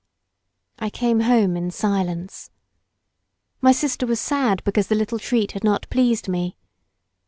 I came home in silence. My sister was sad because the little treat had not pleased me.